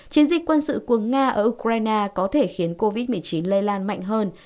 chiến dịch quân sự của nga ở ukraine có thể khiến covid một mươi chín lây lan mạnh hơn